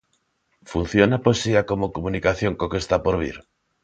Funciona a poesía como comunicación co que está por vir?